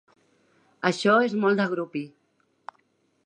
Això és molt de grupi.